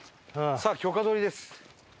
さあ許可取りです。